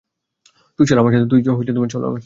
তুই চল আমার সাথে।